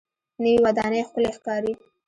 نوې ودانۍ ښکلې ښکاري